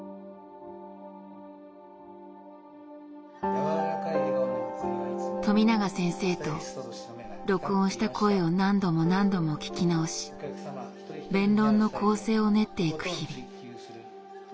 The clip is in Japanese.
健常者というか普通のところから富永先生と録音した声を何度も何度も聞き直し弁論の構成を練っていく日々。